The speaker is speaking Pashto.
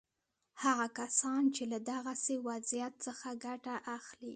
هغه کسان چې له دغسې وضعیت څخه ګټه اخلي.